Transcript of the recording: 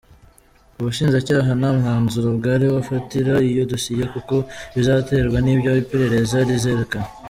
Ubushinjacyaha nta mwanzuro bwari wafatira iyo dosiye kuko bizaterwa n’ibyo iperereza rizerakana.